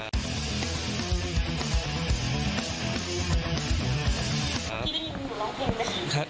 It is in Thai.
พี่ได้ยินหนูร้องเพลงไหม